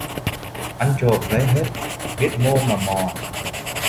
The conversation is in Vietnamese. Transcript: Ăn trộm lấy hết, biết mô mà mò